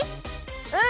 うん！